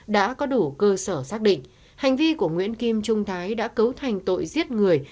đã có đủ cơ sở xác định hành vi của nguyễn kim trung thái đã cấu thành tội giết người